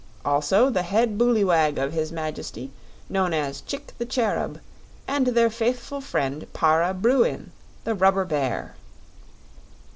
Also the Head Boolywag of his Majesty, known as Chick the Cherub, and their faithful friend Para Bruin, the rubber bear."